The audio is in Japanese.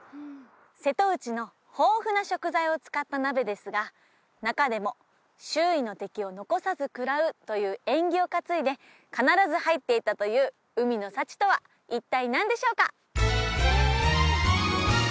瀬戸内の豊富な食材を使った鍋ですが中でも「周囲の敵を残さず食らう」という縁起を担いで必ず入っていたという海の幸とは一体何でしょうか？